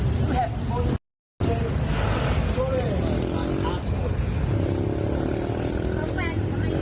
คุณหัวในฝัดมือหนู